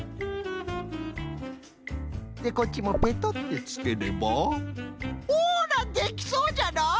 でこっちもペトッてつければほらできそうじゃない！？